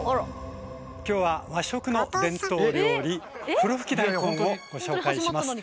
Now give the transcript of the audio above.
今日は和食の伝統料理「ふろふき大根」をご紹介します。